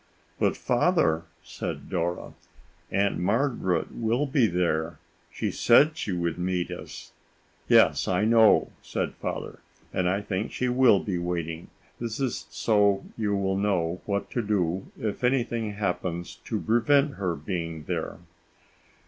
"But, Father," said Dora, "Aunt Margaret will be there. She said she would meet us." "Yes, I know," said Father, "and I think she will be waiting. This is so you will know what to do if anything happens to prevent her being there."